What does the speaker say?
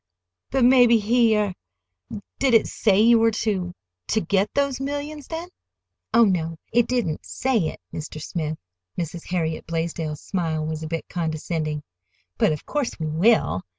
"But maybe he—er—Did it say you were to—to get those millions then?" "Oh, no, it didn't say it, Mr. Smith." Mrs. Harriet Blaisdell's smile was a bit condescending. "But of course we will.